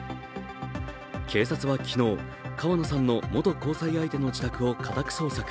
警察は昨日、川野さんの元交際相手の自宅を家宅捜索。